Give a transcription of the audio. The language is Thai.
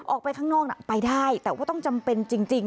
ออกไปข้างนอกน่ะไปได้แต่ว่าต้องจำเป็นจริง